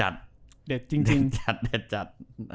เด็ดจัด